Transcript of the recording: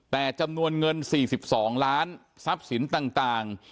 แต่จำนวนเงิน๔๒ล้านทรัพย์สินต่าง